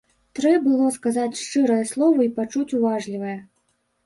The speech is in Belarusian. Трэ было сказаць шчырае слова й пачуць уважлівае.